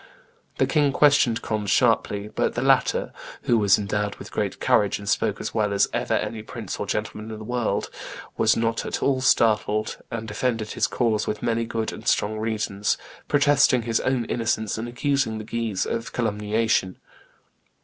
The king questioned Conde sharply; but the latter, 'who was endowed with great courage, and spoke as well as ever any prince or gentleman in the world, was not at all startled, and defended his cause with many good and strong reasons,' protesting his own innocence and accusing the Guises of calumniation.